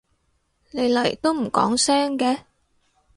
你嚟都唔講聲嘅？